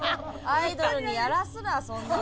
アイドルにやらすなそんな事。